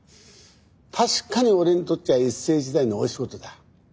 確かに俺にとっちゃ一世一代の大仕事だ。